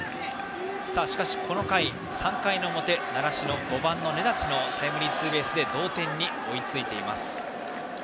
しかし、３回の表習志野、５番の根立のタイムリーツーベースで同点に追いついています。